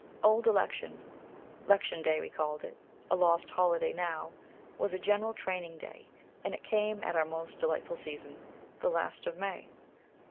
"Old Election," "'Lection Day" we called it, a lost holiday now, was a general training day, and it came at our most delightful season, the last of May.